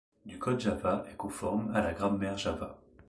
Du code Java est conforme à la grammaire Java.